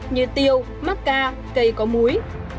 như tiêu mắc ca cây có muối